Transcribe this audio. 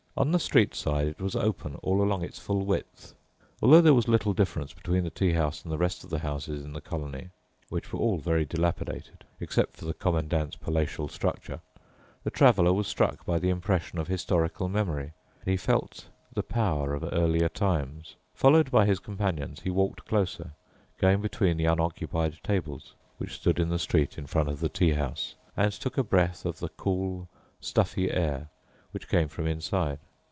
On the street side it was open along its full width. Although there was little difference between the tea house and the rest of the houses in the colony, which were all very dilapidated, except for the Commandant's palatial structure, the Traveler was struck by the impression of historical memory, and he felt the power of earlier times. Followed by his companions, he walked closer, going between the unoccupied tables, which stood in the street in front of the tea house, and took a breath of the cool, stuffy air which came from inside.